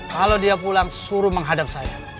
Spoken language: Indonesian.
kalau dia pulang suruh menghadap saya